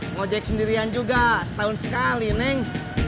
ngojek sendirian juga setahun sekali neng